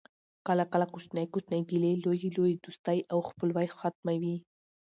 کله کله کوچنۍ کوچنۍ ګیلې لویي لویي دوستۍ او خپلوۍ ختموي